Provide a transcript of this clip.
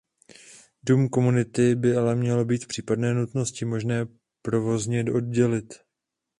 Dům komunity by ale mělo být v případě nutnosti možné provozně oddělit.